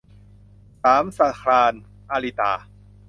สามสะคราญ - อาริตา